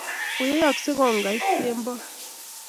yoyaksei ngogait kemboi